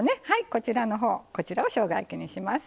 こちらのほうこちらをしょうが焼きにします。